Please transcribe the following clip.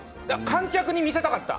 観客に見せたかった？